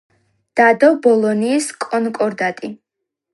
დადო ბოლონიის კონკორდატი.